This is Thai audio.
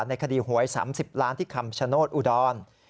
ในคดีหวย๓๐ล้านที่คำชโนธอุดร